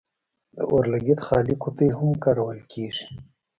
د اور لګیت خالي قطۍ هم کارول کیږي.